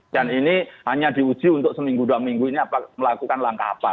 dan ini hanya diuji untuk seminggu dua minggu ini melakukan langkah apa